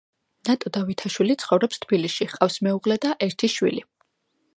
ნატო დავითაშვილი ცხოვრობს თბილისში, ჰყავს მეუღლე და ერთი შვილი.